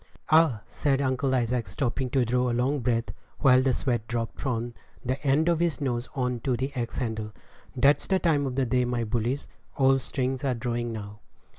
"Ah," said Uncle Isaac, stopping to draw a long breath, while the sweat dropped from the end of his nose on to the axe handle, "that's the time of day, my bullies; all strings are drawing now."